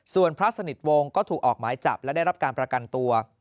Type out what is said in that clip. ส่วนพระสนิทวงศ์ก็ถูกออกหมายจับและได้รับการประกันตัว